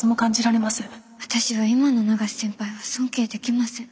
私は今の永瀬先輩は尊敬できません。